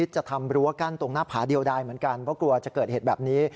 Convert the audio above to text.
จะทำรั้วกั้นตรงหน้าผาเดียวได้เหมือนกันเพราะกลัวจะเกิดเหตุแบบนี้